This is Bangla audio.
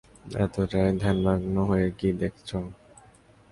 এতটা ধ্যানমগ্ন হয়ে কী দেখেছো!